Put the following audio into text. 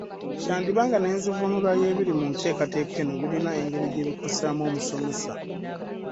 Kyandiba nga n’enzivuunula y’ebiri mu nteekateeka eno birina engeri gye bikosaamu omusomesa